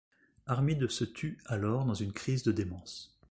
Armide se tue alors dans une crise de démence.